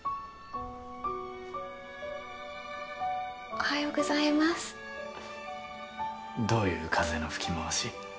おはようございますどういう風のふきまわし？